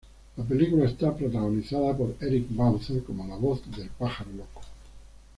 La película está protagonizada por Eric Bauza como la voz del pájaro loco.